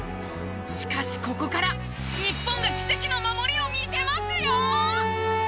しかしここから日本が奇跡の守りを見せますよ！